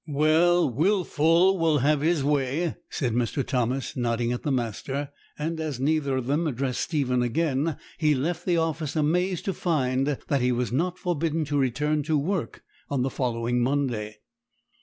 'Well, wilful will have his way,' said Mr. Thomas, nodding at the master; and as neither of them addressed Stephen again, he left the office, amazed to find that he was not forbidden to return to work on the following Monday.